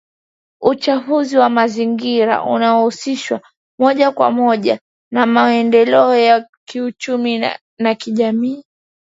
Uchafuzi wa mazingira unahusishwa moja kwa moja na maendeleo ya kiuchumi na kijamii